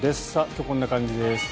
今日こんな感じです。